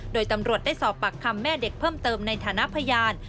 โดยตำรวจได้สอบปากคำแม่เด็กเพิ่มเติมในฐานะพยาน